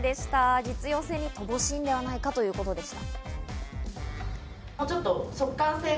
実用性に乏しいのではないかということでした。